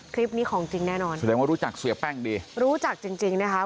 คลิปนี้ของจริงแน่นอนแสดงว่ารู้จักเสียแป้งดีรู้จักจริงจริงนะคะ